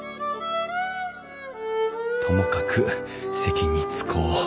ともかく席に着こう。